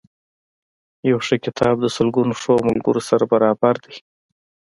یو ښه کتاب د سلګونو ښو ملګرو سره برابر دی.